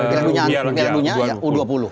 piala dunia u dua puluh